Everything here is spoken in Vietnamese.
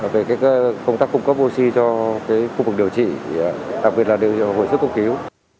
về cái công tác cung cấp oxy cho cái khu vực điều trị đặc biệt là điều hội sức cung cứu